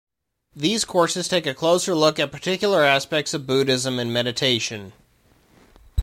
These courses take a closer look at particular aspects of Buddhism and meditation.